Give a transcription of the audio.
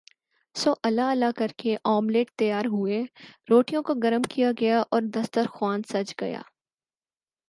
سو اللہ اللہ کر کے آملیٹ تیار ہوئے روٹیوں کو گرم کیا گیااور دستر خوان سج گیا